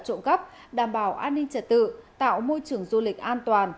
trộm cắp đảm bảo an ninh trật tự tạo môi trường du lịch an toàn